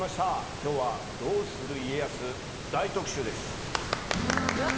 今日は「どうする家康」大特集です。